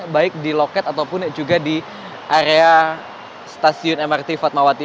baik di loket ataupun juga di area stasiun mrt fatmawati